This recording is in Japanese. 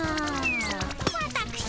わたくしも。